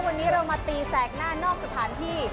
วันนี้เรามาตีแสกหน้านอกสถานที่